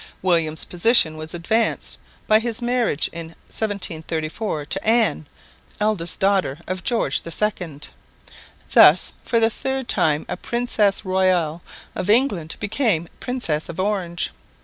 William's position was advanced by his marriage in 1734 to Anne, eldest daughter of George II. Thus for the third time a Princess Royal of England became Princess of Orange.